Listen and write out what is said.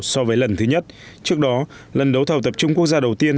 so với lần thứ nhất trước đó lần đấu thầu tập trung quốc gia đầu tiên